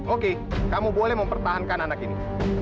oke kamu boleh mempertahankan anak ini